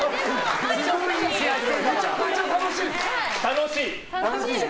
めちゃくちゃ楽しいです。